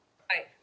はい。